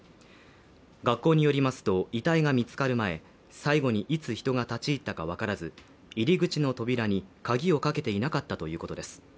学校によりますと、遺体が見つかる前、最後にいつ人が立ち入ったかわからず、入口の扉に鍵をかけていなかったということです。